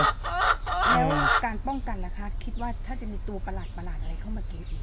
แล้วการป้องกันนะคะคิดว่าถ้าจะมีตัวประหลาดอะไรเข้ามากินอีก